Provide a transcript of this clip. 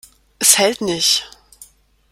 Es hält nicht.